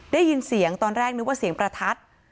ได้ยินเสียงตอนแรกนึกว่าเสียงประทัด